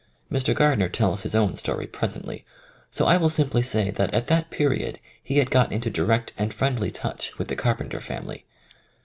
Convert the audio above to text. Mr. Gardner tells his own story presently, so I will simply saj that at that period he had got into direct and friendly touch with the Carpenter fam ily.